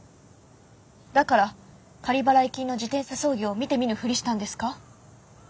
だから仮払い金の自転車操業を見て見ぬふりしたんですか？